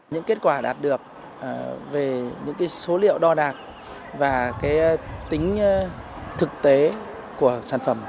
những kết quả đạt được về những số liệu đo đạt và tính thực tế của sản phẩm